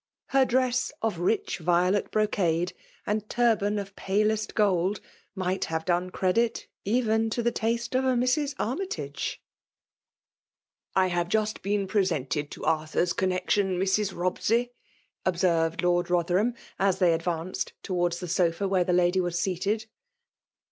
Her dress of rich violot broeadeb |kn4 turban of palest gold, might have done er^dit even, to the taste of a Mrs. Armytage; >.'* I haye jnst been presented to Arthnr^A connexion, Mr& Bobsey/'. observed Lord Bcv* Aerhamj. as they advanced towards the sofa where the lady was seated.